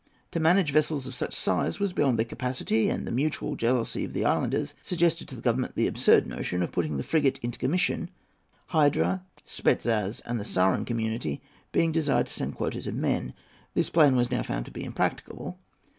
To manage vessels of such a size was beyond their capacity, and the mutual jealousy of the islanders suggested to the Government the absurd notion of putting the frigate into commission, Hydra, Spetzas, and the Psarian community being desired to send quotas of men. This plan was now found to be impracticable.